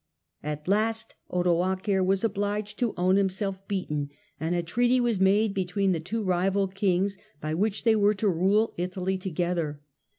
Death of At last Odoacer was obliged to own himself beaten, Odoacer and a treaty was made between the two rival kings, by which they were to rule Italy together.